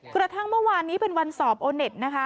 กระทั่งเมื่อวานนี้เป็นวันสอบโอเน็ตนะคะ